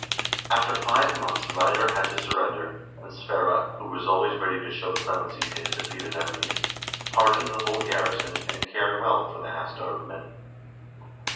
After five months Reidar had to surrender, and Sverre, who was always ready to show clemency to his defeated enemies, pardoned the whole garrison, and cared well for the half starved men.